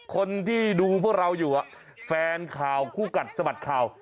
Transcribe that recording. คนที่ดูพวกเราอยู่แฟนข่าวคู่กัดสะบัดข่าว